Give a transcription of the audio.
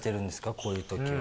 こういう時は。